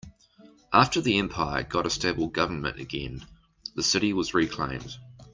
After the empire got a stable government again, the city was reclaimed.